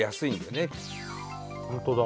ホントだ。